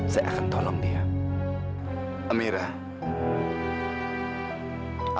suara budi itu merdu